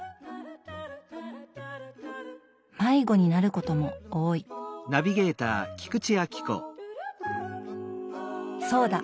迷子になることも多いそうだ！